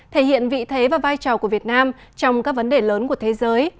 thể hiện vị thế và vai trò của việt nam trong các vấn đề lớn của thế giới